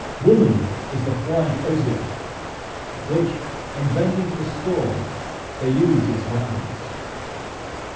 Woman is the pliant osier, which, in bending to the storm, eludes its violence.